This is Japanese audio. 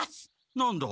何だ？